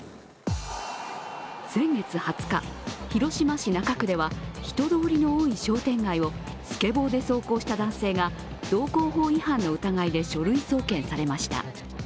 先月２０日、広島市中区では人通りの多い商店街をスケボーで走行した男性が道路交通法違反の疑いで書類送検されました。